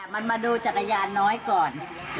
มันมาดูจักรยานน้อยก่อน